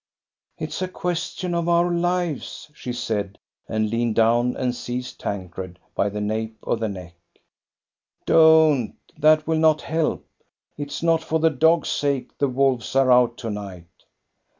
"It's a question of our lives," she said, and leaned down and seized Tancred by the nape of the neck. "Don't, — that will not help! It is not for the dog's sake the wolves are out to night."